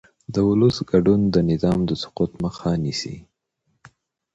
د ولس ګډون د نظام د سقوط مخه نیسي